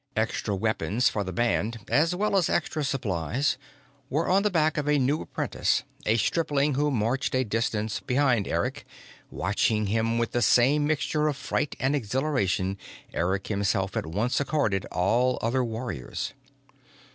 Extra weapons for the band as well as extra supplies were on the back of a new apprentice, a stripling who marched a distance behind Eric, watching him with the same mixture of fright and exhilaration Eric himself had once accorded all other warriors.